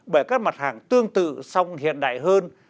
bởi các mặt hàng tương tự song hiện đại hơn